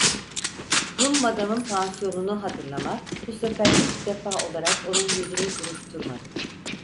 Rum madamın pansiyonunu hatırlamak bu sefer ilk defa olarak onun yüzünü buruşturmadı.